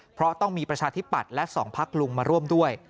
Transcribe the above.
เพราะต้องมีประชาธิปัตย์และ๒พักลุงมาร่วมด้วย